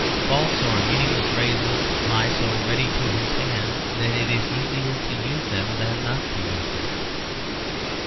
False or meaningless phrases lie so ready to his hand that it is easier to use them than not to use them.